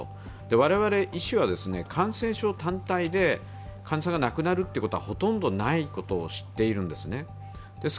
我々、医師は感染症単体で患者さんが亡くなることはほとんどないことを知っているんですね。